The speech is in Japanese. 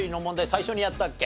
最初にやったっけ？